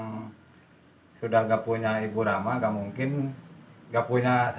hai sudah enggak punya ibu rama enggak mungkin enggak punya